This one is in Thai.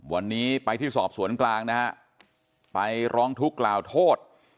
วันนี้ไปที่สอบสวนกลางนะฮะไปร้องทุกข์กล่าวโทษ